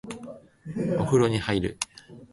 お風呂に入る